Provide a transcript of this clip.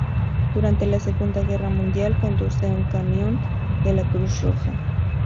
Durante la Segunda Guerra Mundial, conduce un camión de la Cruz Roja.